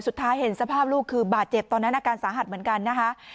สุดท้ายเห็นสภาพลูกคือบาดเจ็บตอนนั้นอาการสาหัสเหมือนกันนะคะ